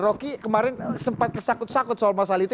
rocky kemarin sempat kesakut sakut soal masalah itu